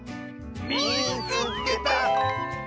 「みいつけた！」。